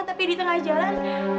tapi di tengah jalan